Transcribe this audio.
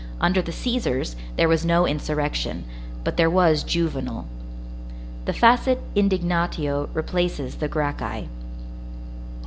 Under the Cæsars, there was no insurrection, but there was Juvenal. The facit indignatio replaces the Gracchi.